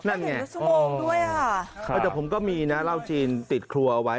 นั่นไงอ๋อค่ะค่ะแต่ผมก็มีนะราวจีนติดครัวเอาไว้